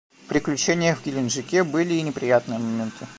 В приключениях в Геленджике были и неприятные моменты.